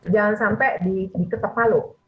jangan sampai diketepaluh